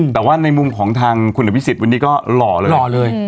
แต่ว่าในมุมของทางคุณอภิษฎิ์วันนี้ก็หล่อเลย